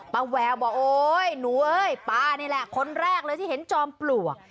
แววบอกโอ๊ยหนูเอ้ยป้านี่แหละคนแรกเลยที่เห็นจอมปลวก